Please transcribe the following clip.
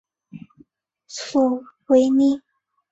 索维尼。